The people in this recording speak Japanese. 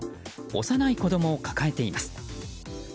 幼い子供を抱えています。